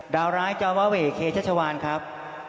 ดาวร้ายจาวาเวเคชัชวานครับ